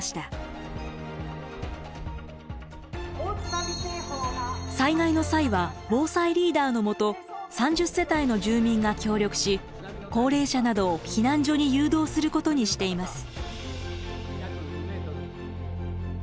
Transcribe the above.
更に災害の際は防災リーダーのもと３０世帯の住民が協力し高齢者などを避難所に誘導することにしています。